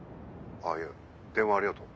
あっいや電話ありがとう。